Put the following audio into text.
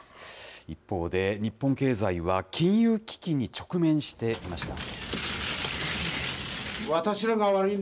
一方で、日本経済は金融危機に直面していました。